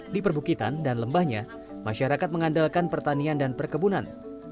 di perbukitan dan lembahnya masyarakat mengandalkan pertanian dan perkebunan